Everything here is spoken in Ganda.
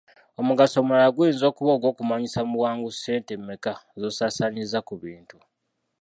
Omugaso omulala guyinza okuba ogw’okumanyisa mu bwangu ssente mmeka z’osaasaanyizza ku bintu.